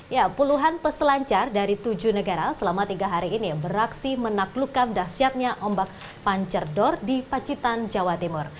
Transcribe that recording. ya puluhan peselancar dari tujuh negara selama tiga hari ini beraksi menaklukkan dahsyatnya ombak pancerdor di pacitan jawa timur